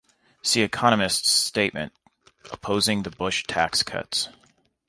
See Economists' statement opposing the Bush tax cuts.